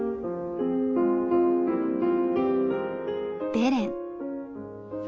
「ベレン」。